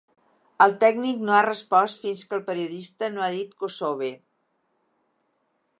El tècnic no ha respost fins que el periodista no ha dit “Kossove”.